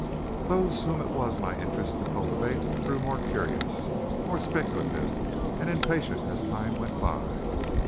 Those whom it was my interest to cultivate grew more curious, more speculative and impatient as time went by.